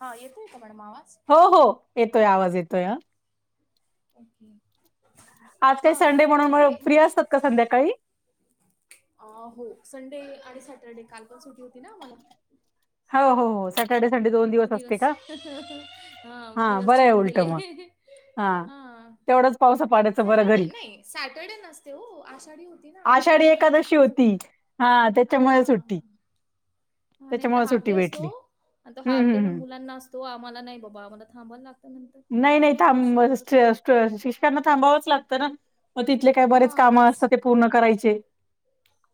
हा येतोय का मॅडम आवाज? हो हो येतोय आवाज येतोय हा. ओके. काही हा संडे तर म्हणून ते मग फ्री मला असतात का संध्याकाळी? अ हो संडे आणि सॅटर्डे काल पण सुटी होती ना आम्हाला. हो हो सॅटर्डे, संडे दिवस असते का मग हा दिवस बरं आहे छान उलट गेले. मग. हा तेवढच पावसा पाण्याचं बरं सॅटरडे घरी नाही सॅटरडे नसते हो आषाढी होती ना, आणि आषाढी स्कूलमध्ये असते एकादशी की होती सुटी. हा त्याच्यामुळे सुट्टी. हा नाही तर त्याच्यामुळे हाफ सुट्टी डे असतो भेटली आणि तो हम्म हाफ डे हम्म पण हम्म मुलांना असतो, आम्हाला नाही बाबा आम्हाला थांबायला लागत. नाही नाही थांब शिक्षकांना थांबावंच लागतं ना. मग तिथले काय बरेच हा काम तेच. असतात पूर्ण करायचे.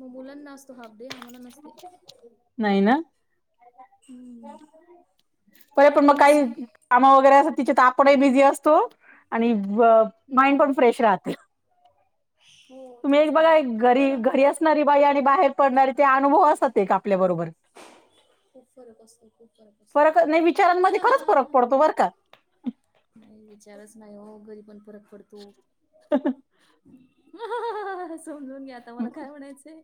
मग मुलांना असतो हाफडे आम्हाला नसते. नाही ना? हम्म. बर पण मग काही असं आहे. [unintelligible] वगैरे असत तिच्यात आपण बिझी असतो, आणि माइंड हम्म. पण फ्रेश राहते. हो तुम्ही एक तेच ना बघा घरी बरं घरी असणारी बाई आणि बाहेर पडणारी ते अनुभव असत एक आपल्या बरोबर. खूप असतो खूप फरक. नाही विचारांमध्ये खरंच फरक पडतो बरं का नाही विचारच नाही हो घरी पण फरक पडतो. समजून घ्या आता मला काय म्हणायचंय?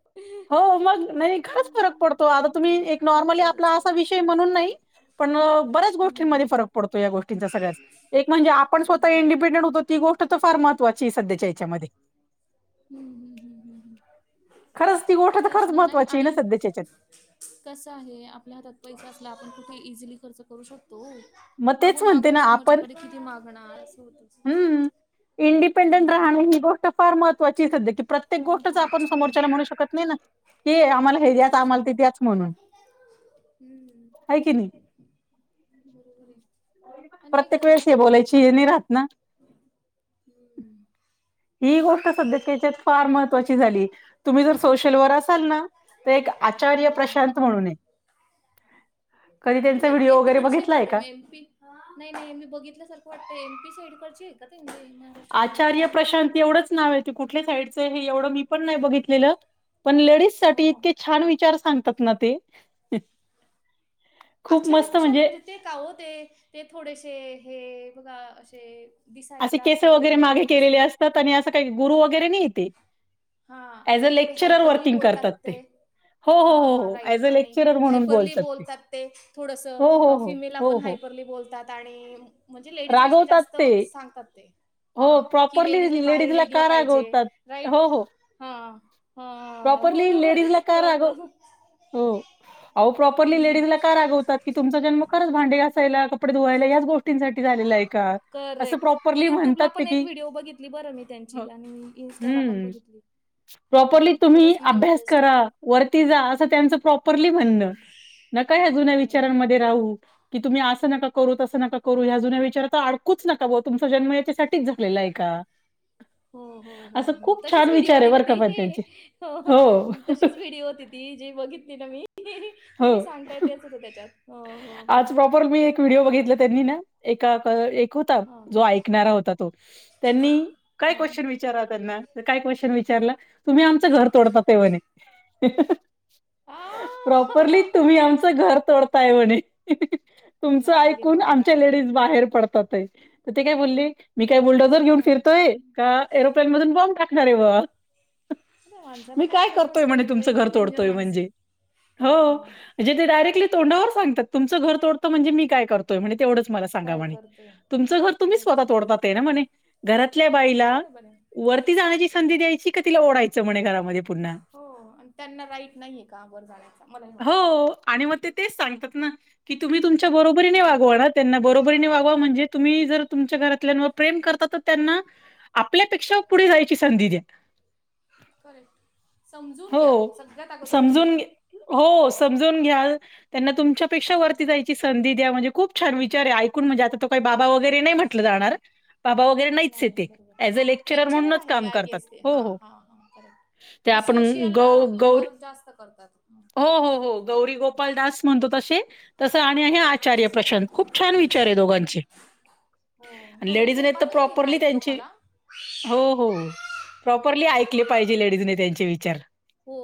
हो मग नाही खास फरक हम्म, पडतो आता तुम्ही एक हम्म, नॉर्मली आपला खरंच असा आहे. विषय म्हणून नाही पण बऱ्याच हम्म. गोष्टींमध्ये फरक पडतो या गोष्टींचा सगळ्यात एक म्हणजे आपण स्वतः हम्म इंडिपेंडेंट होतो ती गोष्ट तर फार महत्वाची आहे सध्याच्या याच्यामध्ये. हम्म हम्म हम् हम् हम. खरं गोष्ट तर खरंच महत्वाची आहे सध्या हेच्यात. कसं आहे आपल्या हातात पैसा असला आपण कुठे इझिली खर्च करू शकतो ओ. मग तेच मागून म्हणते मागून ना आपण समोरच्याकडे किती मागणार असं होत? इंडिपेंडेंट राहणे हि गोष्ट फार महत्त्वाची आहे. सध्या की प्रत्येक गोष्टच आपण महत्वाची समोरच्याला आहे. म्हणू शकत नाही ना. की आम्हाला हे द्याच तेच ना. आम्हाला ते द्याच म्हणून. हम्म. आहे की नाही बरोबर आहे आणि एक प्रत्येक घराला वेळेस हे सपोर्ट बोलायची पण हे नाही होतो राहत ना ओ. हम्म. ही गोष्ट सध्याच्या हेच्यात फार महत्त्वाची झाली तुम्ही जर सोशल वर असाल ना एक तर आचार्य हम्म. प्रशांत म्हणून आहे. कधी कुठले त्यांचा आहेत ते व्हिडिओ वगैरे तिकडचे बघितलाय का वाटतं एम पी? नाही नाही मी बघितल्यासारखं वाटतं एम पी साईडकडची आहे का ते. महाराष्ट्राचे वाटतं आचार्य हम्म. प्रशांत एवढंच नाव आहे. ते कुठल्या साईडचं हे एवढं मी पण नाही बघितलेलं. पण लेडीज हो साठी हो इतके छान विचार सांगतात ना ते. खूप आश्चर्य मस्त प्रशांत म्हणजे वर ते का वो ते ते थोडेसे हे बघा असेच दिसायला थोडे व्यवस्थित त्यात आणि असं काहि बोर वगैरे नाही होत हे हा आणि थोडं हायपरली बोलतात ते हो हा हो हो हा हो ऍज राईट अ आणि लेक्चरर म्हणून हायपरली बोलतात ते हो हो थोडसं हो फिमेलला हो पण हो हायपरली बोलतात आणि म्हणजे लेडीज विषयी रागवतात जास्त ते सांगतात ते हो हा की प्रॉपरली लेडीजने बाहेर लेडीजला निघलं का पाहिजे रागवतात वय तेच हो हो हा हा प्रॉपरली बरोबर लेडीजला का रागव ओळखलं हो आहो प्रॉपरली हं, हं. लेडीजला का रागवतात की तुमचा जन्म खरच भांडे घासायला कपडे धुवायला याच गोष्टींसाठी झालेला आहे का असं करेक्ट ते प्रॉपरली म्हणतात युट्यूबला ते पण एक की व्हिडिओ बघितली बरं मी त्यांची आणि इन्स्टाला पण हम्म बघितली हं. प्रॉपरली तुम्ही खरंच माणूस अभ्यास बेस्ट करा आहे. वरती जा असं त्यांच प्रॉपरली हां. म्हणणं न का या जुन्या खरं आहे. विचारांमध्ये राहू की तुम्ही असं नका करू तसं नका करू या जुन्या विचारात तर अडकूच नका बाबा तुमचा जन्म यासाठीच झालेला आहे का [inaudible] हो हो हो असं हो खूप तशीच छान व्हिडिओ विचार आहे होती ना बरं का ते पण त्यांचे. हो हो तशीच व्हिडिओ होती ती जी बघितली ना मी तुम्ही हो. सांगताय तेच होतं त्याच्यात हो हो परत मी एक व्हिडिओ बघितला त्यांनी ना एका क एक होता हां, जो ऐकणारा होता तो त्यांनी काय हां. क्वेशन विचा राव त्यांना काय क्वेशन विचारला तुम्ही आमचं घर तोडता ते म्हणे आह! प्रॉपरली तुम्ही आमचं घर तोडताय म्हणे तुमचं नाही रे ऐकून बाबा. आमच्या लेडीज बाहेर पडतात आहे तर ते काय बोलले मी काय बोललो घर घेऊन हं. फिरतोय का एरोप्लेन मधून बॉम्ब टाकणार आहे बुआ त्या माणसाला मी काय फरक करतोय म्हणे पडतोय? तो तुमचं घर एकदम डेंजर तोडतोय माणूस आहे. म्हणजे हो हां. म्हणजे ते डयरेक्टली तोंडावर सांगतात तुमचं घर तोडतो म्हणजे मी काय करतो म्हणे तेवढंच मला सांगा काय म्हणे करतोय? तुमचं घर तुम्ही राईट. स्वतः तोडतात आहे ना म्हणे घरातल्या बाईला बरोबर आहे. वरती जाण्याची संधी द्यायची का तिला ओढायचं म्हणे घरामध्ये पुन्हा हो आणि त्यांना राईट नाहीये का वर जाण्याचा मला हे हो म्हणायचंय आणि मग ते तेच सांगतात ना की तुम्ही तुमच्या बरोबरीने हं. वागवा ना त्यांना बरोबरीने वागवा म्हणजे तुम्ही जर तुमच्या घरातल्यांवर प्रेम करता त्यांना आपल्यापेक्षा पुढे जायची संधी द्या करेक्ट समजून घ्या हो. सगळ्यात अगोदर तर हे समजून आहे घे- हो समजून घ्या त्यांना तुमच्यापेक्षा वरती जायची सं संधी द्या म्हणजे खूप छान विचार हे ऐकून म्हणजे आता तो काही बाबा वगैरे नाही म्हटलं जाणार बाबा वगैरे नाहीच नाही आहेत ते बरोबर ॲज अ लेक्चरर म्हणूनच आहे काम आय करतात गेस ते हो हा हो हा हा करेक्ट ते आणि आपण सोशियल गौ गौरी वर्क जास्त करतात हो हो हो गौरी गोपाल दास म्हणतो तसे तसं आणि आणि हे हो आचार्य प्रशांत खूप छान विचार आहे दोघांचे हो गौरी लेडीज ना हे गोपाल तर नाही गे प्रॉपरली माहिती हो त्यांची मला हो हो प्रॉपरली ऐकले पाहिजे लेडीजने त्यांचे विचार हो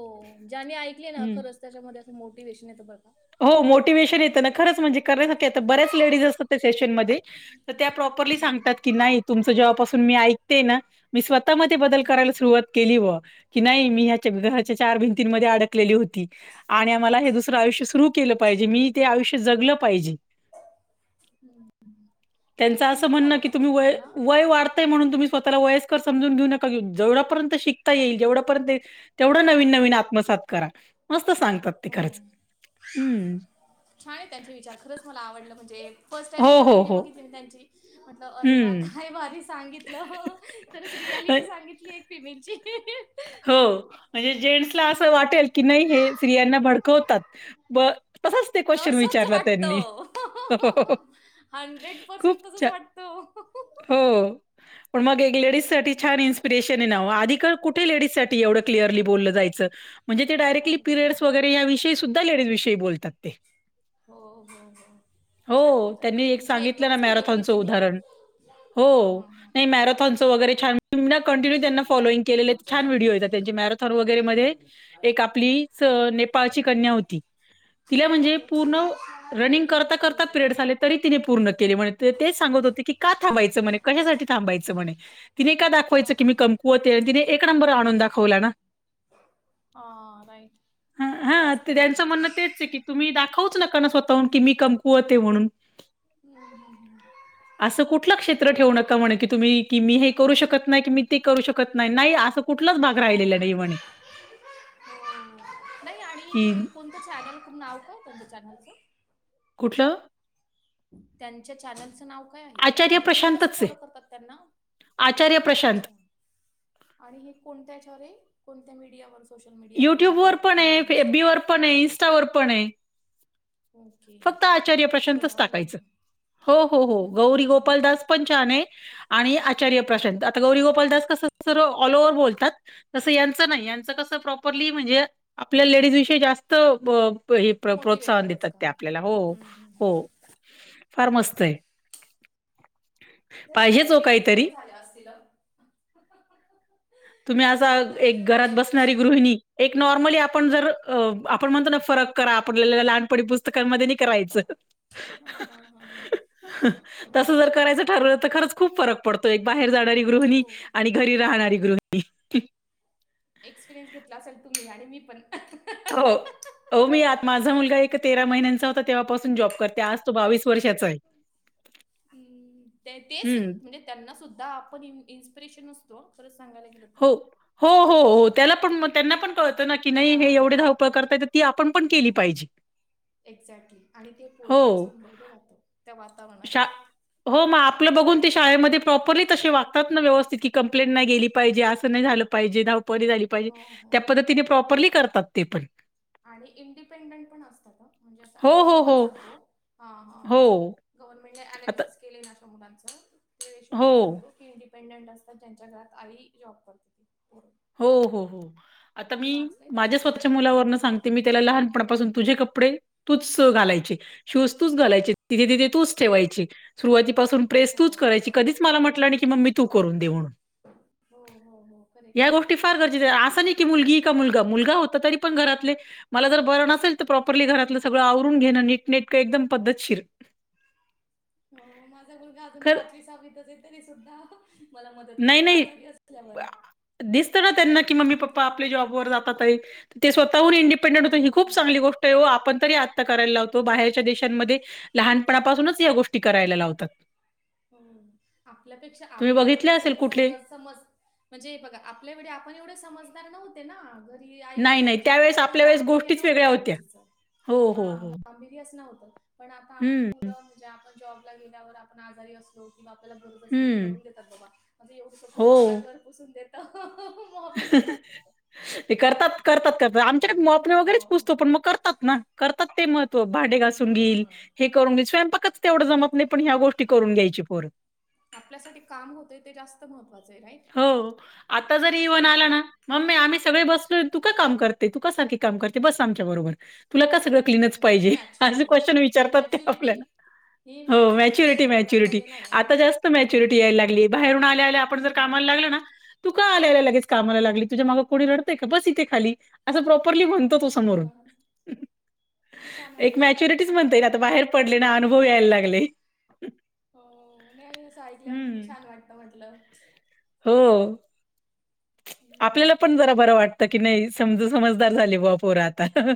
ज्यांनी ऐकले ना हं. खरंच त्याच्यामध्ये असं मोटिव्हेशन येतं बघा हो मोटिव्हेशन येतं ना खरंच म्हणजे करण्यासाठी आता बऱ्याच लेडीज असतात त्या सेशनमध्ये तर त्या प्रॉपरली हम्म, सांगतात की नाही तुमचं जेव्हापासून मी ऐकते ना मी स्वतः मधे बदल हम्म, हम्म. करायला सुरुवात केली बुआ की नाही मी ह्या घराच्या चार भिंतीमध्ये अडक केली होती. आणि आम्हाला हे दुसर आयुष्य सुरु केलं पाहिजे मी ते आयुष्य जगलं पाहिजे. त्यांच नाही असं तुम्ही म्हणणं फॉलो की करतात तुम्ही का वय त्यांना वय वाढ म्हणून तुम्ही स्वतःला वयस्कर समजून घेऊ नका जेवढपर्ंत शिकता येईल जवढापर्यंत तेवढं नवीन नवीन आत्मसात करा मस्त सांगतात. ते हो. खरंच. हं. छान आहे त्यांचे विचार खरंच मला आवडलं म्हणजे फर्स्ट टाइम हो, मी जेव्हा हो, व्हिडिओ हो. बघितली त्यांची म्हटलं अरे वा! हं. काय भारी सांगितल. खरंच तर रियालिटी सांगितली एक फिमेलची. हो म्हणजे जेंस असं वाटेल हो की नाही हे स्त्रियांना भडकवतात ब तसाच ते क्वेश्चन तसंच विचारला त्यांनी वाटतं हो. हंड्रेड खूप पर्सेंट तसंच छा. वाटतं हो. पण मग एक लेडीजसाठी हम्म, छान इन्स्पिरेशन आहे नावं आधी काल कुठ स्त्रियांसाठी एवढं क्लिअरली बोललं जायचं म्हणजे ते डायरेक्टली नाही पिरेडस बरोबर वगैरे याविषयी सुद्धा लेडीज विषयी बोलतात ते. हो हो हो. छान हो. बोलतात ते त्यांनी एक त्यांची सांगितलं ना दोनच व्हिडिओ मॅरेथॉनच बघितली मी उदाहरण हो हां हां हां नाही मॅरा वगैरे छान कंटिन्यू त्यांना फॉलोइंग केले. छान व्हिडिओ येतात त्यांचे मॅरेथॉन वगैरे मध्ये एक आपली नेपाळची कन्या होती. तिला म्हणजे पूर्ण रनिंग करता-करता पिरड तरी तिने पूर्ण केले तेच सांगत होते की का थांबायच म्हणे कशासाठी थांबायचं म्हणे. तिने का दाखवायचं हां की मी हां कमकुवते आणि तिने एक नंबर आणून दाखवला ना. हां राईट हा ते हा जास्त त्यांचं महत्त्वाचं म्हणणं तेच आहे की तुम्ही दाखवूच नका ना स्वतःहून की मी कमकुवते म्हणून. ह ह ह. असं कुठल क्षेत्र ठेवू नका म्हणे की तुम्ही की मी हे करू शकत नाही की मी ते करू शकत नाही. अस कुठलाच भाग राहिलेला नाही म्हणे हो नाही आणि की ते कोणतं चॅनल खुप नाव काय तुच्या चॅनलचे? कुठलं? त्यांच्या चॅनलचं नाव का नाव काय आहे? आचार्य तुम्ही कसं प्रशांतच आहे. फॉलो करता त्यांना? आचार्य प्रशांत. अच्छा! आणि हे कोणत्या ह्याच्यावर कोणत्या मीडियावर सोशल मीडियावर युट्यूब, पण आहे, इन्स्टा. वर पण आहे इनस्टावर पण आहे. ओके. फक्त आचार्य प्रशांतच शोधावं टाकायचं लागेल. हो हो हं, हं, गौरी हं, हं, गोपालदास पंचने आणि आचार्य हं. प्रशांत. आता गौरी गोपाल दास कस सर्व ऑल ओव्हर बोलतात तसं यांचं नाही यांचं कसं प्रॉपरली म्हणजे आपल्या लेडीज विषयी जास् हे प्र मोटिवेट प्रोत्साहन करायचं देतात ते काम. आपल्याला. हो. हं, हं, हं. हो. फार मस्त आहे. तरच्यावट पाहिजेच हो केसेस काहीतरी. पण झाल्या असतील. तुम्ही ते असा बोलतात ना एक तेवढं घरात डेंजर. बसणारी गृहिणी एक नॉर्मली आपण जर आपण म्हणतो ना फरक करा आपल्याला लहानपणी पूस पुस्तकांमध्ये नही का रायचं. हां, हां, हां, हां. तसं जर करायचं ठरवलं तर खरंच खूप फरक पडतो. एक बाहेर जाणारी गृहिणी हो. आणि घरी राहणारी गृहिणी. एक्सपेरियन्स घेतला असेल तुम्ही आणि मी पण. हो. हो मी यात माझा मुलगा एक तेरा महिन्यांचा होता, तेव्हापासून जॉब करते. आज तो बावीस वर्षाचा आहे. हम्म, तेहतीस हं. म्हणजे त्यांना सुद्धा आपण इंस्पिरेशन असतो, खरंच सांगायला गेलं तर. हो हो हो हो, त्याला पण म त्यांना पण कळतं ना की, नाही हे हां, एवढे हां, धावपळ हां. करतायेत तर ती आपण पण केली पाहिजे. एक्झॅक्टली,, आणि ते पोरगं तसं हो. घडवलं जातं, त्या वातावरणात. शा हो मग, आपलं बघून ते शाळेमध्ये प्रॉपरली तसे वागतात ना व्यवस्थित की कंप्लेंट नाही गेली पाहिजे असं नाही झालं पाहिजे धावपळ नाही झाली पाहिजे, हो, त्या हो. पद्धतीने प्रॉपरली करतात ते पण. आणि इंडिपेंडंट पण असतात हं, म्हणजे हो, रेशो हो, पण हो. सांगतो हा हा हां हो. गव्हर्नमेंटने आता एनालिसिस केलंय ना अशा मुलांचं, रेशो पण हो. सांगतो की ईनडी डिपेंडेंट असतात ज्यांच्या घरात आई जॉब करते. हो हो, आता मी, वाचलंय माझ्या त्याच्याविषयी स्वतःच्या हां मुलावरनं हां. सांगते मी त्याला लहानपणापासून तुझे कपडे, तूच घालायचे. शूज तूच घालायचे, तिथे तिथे तूच ठेवायचे. सुरुवातीपासून प्रेस तूच हो करायची, कधीच मला म्हटला नाही की मम्मी तू करून दे म्हणून. हो हो हो. करेक्ट या गोष्टी फार गरजेचच्या, असं नाही की मुलगी का मुलगा,, मुलगा होता तरी पण घरातले मला जर बरं नसेल, तर प्रॉपरली घरातलं सगळं आवरून घेणं, नीट नेटकं एकदम पद्धतशीर. हो माझा मुलगा अजून खरंच पाचवी साहावीतचये तरी सुद्धा मला मदत नाही, करतो नाही. आजारी असल्यावर. दिसतं ना त्यांना की मम्मी पप्पा आपले जॉबवर जातातये, ते स्वतःहून इंडिपें पण रेनुताई ही खूप हो. चांगली गोष्ट आहे ओ आपण तरी आता करायला लावतो,, बाहेरच्या देशांमध्ये लहानपणापासूनच या गोष्टी करायला लावतात. हम्म, आपल्यापेक्षा तुम्ही आपण तर बघितले असेल सम कुठले? समजा समज म्हणजे हे बघा आपल्या वेळी आपण एवढे समजदार नव्हते ना आई नाही, काहि नाही. त्याच्या त्यावेळेस [unintelligible] काही आपल्या वेळेस गांभीर्य गोष्टीच नव्हतं वेगळ्या या होत्या. गोष्टीचं. हो, हो, हा, हो. गांभीर्यच असं नव्हतं. पण आता आपली हं, मुलं, म्हणजे आपण जॉबला गेल्यावर आपण आजारी असलो मग आपल्याला बरोबसी हं. करून देतात बाबा, म्हणजे एवढूसं हो. पोरगं मला घर पुसून देतं. [unintelligible] ते करतात करतात करतात, आमच्याकडे मॉपने हो वगैरेच पुसतो, पण मग करतात ना, करतात ते महत तो भाडे घासून घेईल, हम्म हे करून घेईल, स्वयंपाकच तेवढं जमत नाही पण ह्या गोष्टी करून घ्यायची पोरं. आपल्यासाठी काम होतंय ते जास्त महत्त्वाचंये राईट. हो,, आता जरी इवन हा आला ना मम्मी आम्ही सगळे बसलोय, तू का काम करते तु का सारखी काम करते बस आमच्या बरोबर,, तुला का सगळं क्लिनच बघा किती पाहिजे,,, अशे मॅच्युरिटी क्वेशन ही विचारतात ते मॅच्युरिटी आपल्याला. ही हो मॅच्युरिटी दुसऱ्या मॅच्युरिटी,,, मुलांमध्ये नाही हा. आता जास्त हा हा. मॅच्युरिटी यायला लागलीय. बाहेरून आल्या आल्या आपण जर हो कामाला लागलं ना तू का आल्याला लगेच कामाला लागली तुझ्या मागे कोणी रडतंय का? बस इथे खाली. असं प्रॉपरली म्हणतो तो समोरून, किती छान एक वाटतं मॅच्युरिटीच म्हणता येईल आता ना. बाहेर पडले ना अनुभव यायला लागले. हो, नाही आणि असं ऐकल्यावर हं. किती छान वाटतं म्हटलं. हो,, हम्म. आपल्याला पण जरा बरं वाट त की नाही, समजा समजदार झाली बा पोरं आता.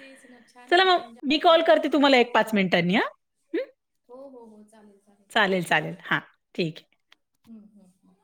तेच ना छान चला वाटतं मग म्हणजे मी कॉल आपल्याला करते जरा,, तुम्हाला एक हो. मिनिटांनी हां. हो हो हो चालेल चालेल चालेल. हां, ठीक आहे. हम् हम्.